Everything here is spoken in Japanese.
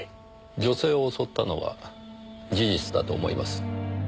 女性を襲ったのは事実だと思います。